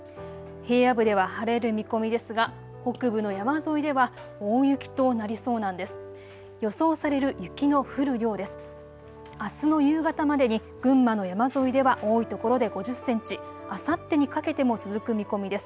平野部では晴れる見込みですが北部の山沿いでは大雪となりそうなんです。